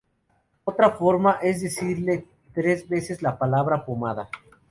Otra forma es decirle tres veces la palabra: pomada.